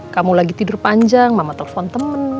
kamu lagi tidur panjang mama telepon temen